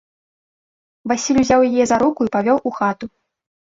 Васіль узяў яе за руку і павёў у хату.